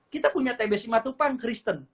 kita punya t b simatupang kristen